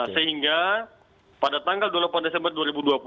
sehingga pada tanggal dua puluh delapan desember dua ribu dua puluh